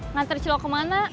ngantri ciro kemana